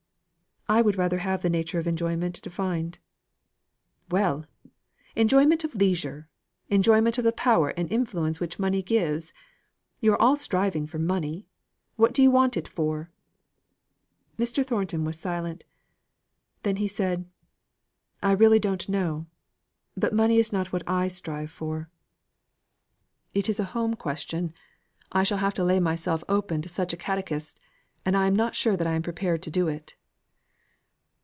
"I would rather have the nature of the enjoyment defined." "Well! enjoyment or leisure enjoyment of the power and influence which money gives. You are all striving for money. What do you want it for?" Mr. Thornton was silent. Then he said, "I really don't know. But money is not what I strive for." "What then?" "It is a home question. I shall have to lay myself open to such a catechist, and I am not sure that I am prepared to do it."